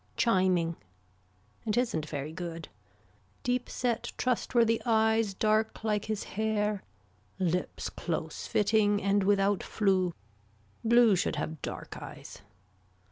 Chiming. It isn't very good. Deep set trustworthy eyes dark like his hair Lips close fitting and without flew. Blue should have dark eyes.